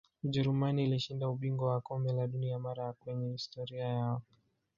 ujerumani ilishinda ubingwa wa kombe la dunia mara ya kwenye historia yao